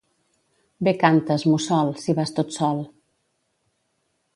Bé cantes, mussol, si vas tot sol.